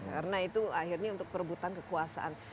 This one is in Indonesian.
karena itu akhirnya untuk perebutan kekuasaan